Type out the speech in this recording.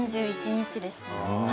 ３１日ですね。